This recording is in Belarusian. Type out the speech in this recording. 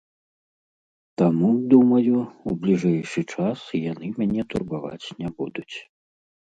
Таму, думаю, у бліжэйшы час яны мяне турбаваць не будуць.